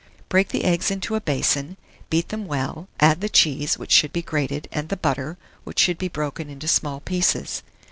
Break the eggs into a basin, beat them well; add the cheese, which should be grated, and the butter, which should be broken into small pieces.